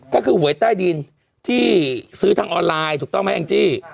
ก็คือหวยใต้ดินที่ซื้อทางออนไลน์ถูกต้องไหมแองจี้